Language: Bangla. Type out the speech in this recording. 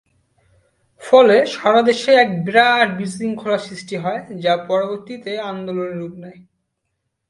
ফলে সারা দেশে এক বিরাট বিশৃঙ্খলার সৃষ্টি হয় যা পরবর্তিতে আন্দোলনে রূপ নেয়।